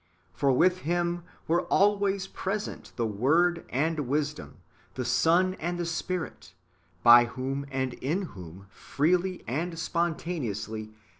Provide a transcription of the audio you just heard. For with Him were always present the Word and Wisdom, the Son and the Spirit, by whom and in whom, freely and spontaneously.